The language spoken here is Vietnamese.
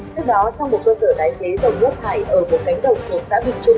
trước đó trong một cơ sở đáy chế dầu nước hại ở một cánh đồng của xã bình trung